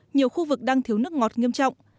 nhiều khu vực đang thiếu nước ngọt nghiêm trọng